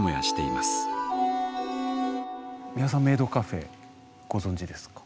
美輪さんメイドカフェご存じですか？